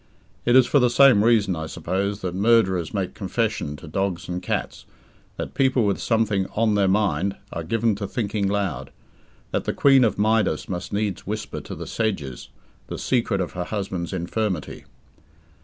It is for the same reason, I suppose, that murderers make confession to dogs and cats, that people with something "on their mind" are given to thinking aloud, that the queen of Midas must needs whisper to the sedges the secret of her husband's infirmity.